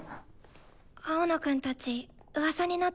青野くんたちうわさになってるね。